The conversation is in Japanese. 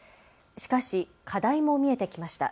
しかし課題も見えてきました。